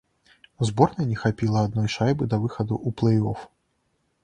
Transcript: Зборнай не хапіла адной шайбы да выхаду ў плэй-оф.